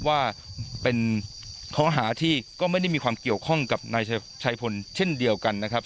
ว่าเป็นข้อหาที่ก็ไม่ได้มีความเกี่ยวข้องกับนายชัยพลเช่นเดียวกันนะครับ